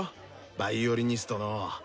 ヴァイオリニストの。